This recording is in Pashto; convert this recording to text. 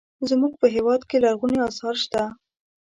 زموږ په هېواد کې لرغوني اثار شته.